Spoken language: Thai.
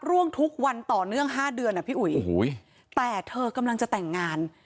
ร่วงทุกวันต่อเนื่องห้าเดือนอ่ะพี่อุ๋ยโอ้โหแต่เธอกำลังจะแต่งงาน